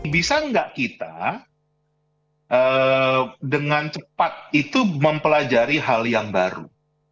bisa tidak kita dengan cepat mempelajari hal yang baru